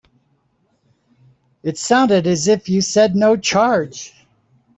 It sounded as if you said no charge.